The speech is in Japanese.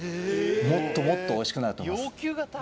もっともっとおいしくなると思います